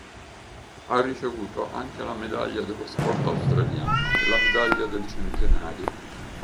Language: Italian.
Ha ricevuto anche la medaglia dello sport australiano e la medaglia del centenario.